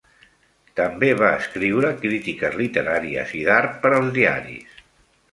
També va escriure crítiques literàries i d'art per als diaris.